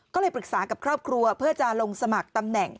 ก็เลยปรึกษากับครอบครัวเพื่อจะลงสมัครตำแหน่ง